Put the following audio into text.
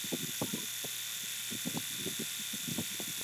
北魏皇始二年。